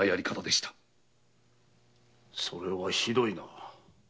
それはひどいな。